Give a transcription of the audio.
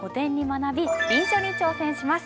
臨書に挑戦します。